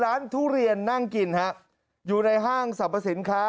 ทุเรียนนั่งกินฮะอยู่ในห้างสรรพสินค้า